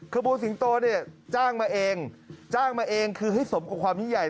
ขบวนสิงโตเนี่ยจ้างมาเองจ้างมาเองคือให้สมกับความยิ่งใหญ่